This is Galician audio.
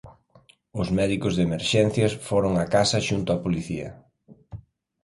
Os médicos de emerxencias foron á casa xunto á Policía.